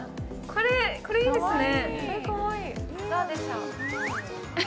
これいいですね。